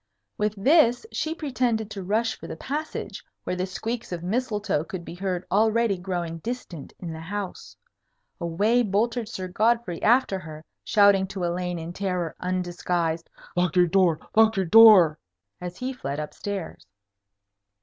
With this, she pretended to rush for the passage, where the squeaks of Mistletoe could be heard already growing distant in the house. Away bolted Sir Godfrey after her, shouting to Elaine in terror undisguised, "Lock your door! Lock your door!" as he fled up stairs.